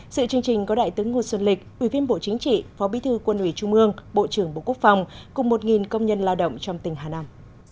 sự chương trình có đại tướng ngô xuân lịch ủy viên bộ chính trị phó bí thư quân ủy trung ương bộ trưởng bộ quốc phòng cùng một công nhân lao động trong tỉnh hà nam